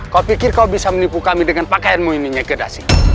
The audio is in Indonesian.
kau pikir kau bisa menipu kami dengan pakaianmu ini megedasi